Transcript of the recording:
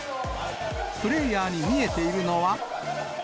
プレーヤーに見えているのは。